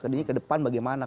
jadi ini ke depan bagaimana